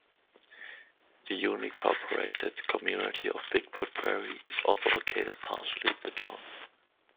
The unincorporated community of Big Foot Prairie is also located partially in the town.